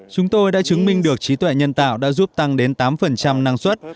chúng tôi đã chứng minh được trí tuệ nhân tạo đã giúp tăng đến tám năng suất